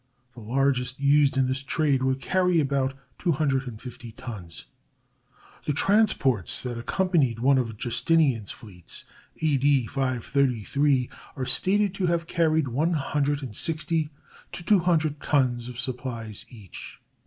The largest used in this trade would carry about two hundred and fifty tons. The transports that accompanied one of Justinian's fleets, A. D. 533, are stated to have carried one hundred and sixty to two hundred tons of supplies each.